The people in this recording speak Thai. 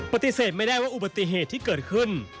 ปฏิเสธไม่ได้ว่าอุบัติเหตุที่เกิดขึ้น